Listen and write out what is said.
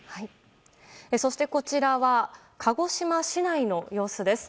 そして、こちらは鹿児島市内の様子です。